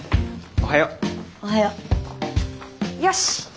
おはよ。よし！